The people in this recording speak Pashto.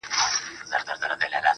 o د مرگي راتلو ته، بې حده زیار باسه.